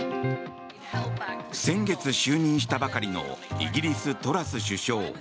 先月、就任したばかりのイギリス、トラス首相。